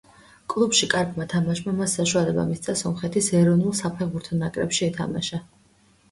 კლუბში კარგმა თამაშმა მას საშუალება მისცა სომხეთის ეროვნულ საფეხბურთო ნაკრებში ეთამაშა.